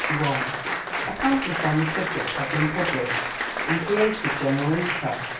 A pamphlet on the subject had been published and created general interest.